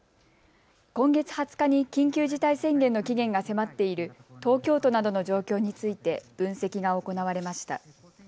今月２０日に緊急事態宣言の期限が迫っている東京都などの状況について分析が行われました。